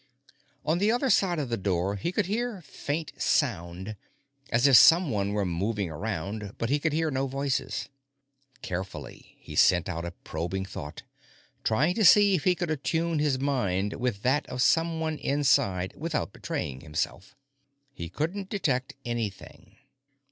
On the other side of the door, he could hear faint sound, as if someone were moving around, but he could hear no voices. Carefully, he sent out a probing thought, trying to see if he could attune his mind with that of someone inside without betraying himself. He couldn't detect anything.